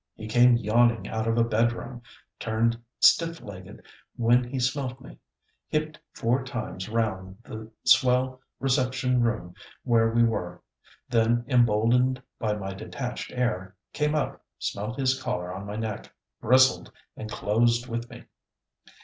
He came yawning out of a bed room, turned stiff legged when he smelt me, hipped four times round the swell reception room where we were, then emboldened by my detached air, came up, smelt his collar on my neck, bristled, and closed with me.